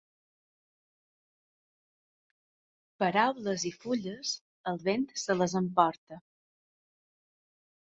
Paraules i fulles, el vent se les emporta.